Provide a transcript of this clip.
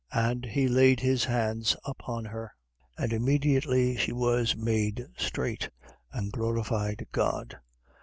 13:13. And he laid his hands upon her: and immediately she was made straight and glorified God.